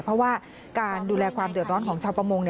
เพราะว่าการดูแลความเดือดร้อนของชาวประมง